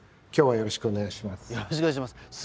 よろしくお願いします。